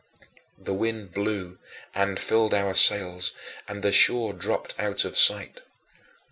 The wind blew and filled our sails, and the shore dropped out of sight.